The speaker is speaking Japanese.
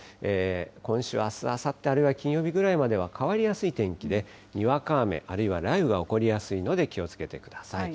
今週、あす、あさって、あるいは金曜日ぐらいまでは変わりやすい天気で、にわか雨、あるいは雷雨が起こりやすいので気をつけてください。